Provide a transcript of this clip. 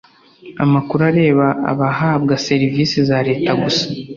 amakuru areba abahabwa serivisi za leta gusa